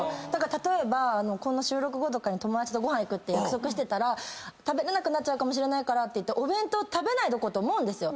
例えばこの収録後とかに友達とご飯行くって約束してたら食べれなくなっちゃうかもしれないからって言って。と思うんですよ。